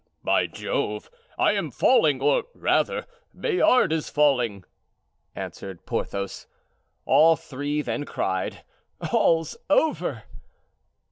"By Jove, I am falling, or rather, Bayard is falling," answered Porthos. All three then cried: "All's over."